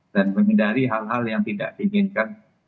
dan mengendali hal hal yang tidak diinginkan